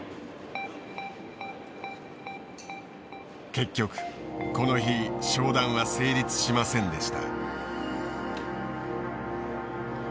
結局この日商談は成立しませんでした。